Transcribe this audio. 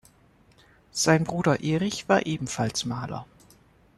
Sein Bruder Erich war ebenfalls Maler.